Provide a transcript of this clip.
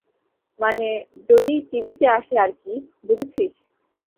মানে, যদি টিভিতে আসে আর কি, বুঝেছিস?